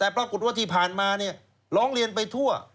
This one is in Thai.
เพราะที่ผ่านมาเนี่ยร้องเรียนไปทั่ว